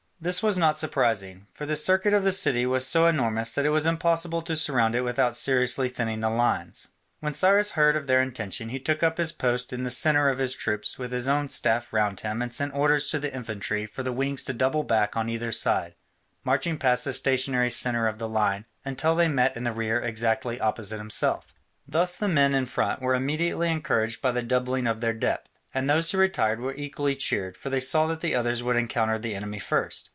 This was not surprising, for the circuit of the city was so enormous that it was impossible to surround it without seriously thinning the lines. When Cyrus heard of their intention, he took up his post in the centre of his troops with his own staff round him and sent orders to the infantry for the wings to double back on either side, marching past the stationary centre of the line, until they met in the rear exactly opposite himself. Thus the men in front were immediately encouraged by the doubling of their depth, and those who retired were equally cheered, for they saw that the others would encounter the enemy first.